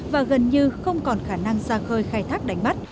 và gần như không còn khả năng ra khơi khai thác đánh bắt